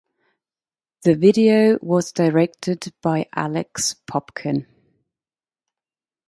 The video was directed by Alex Popkin.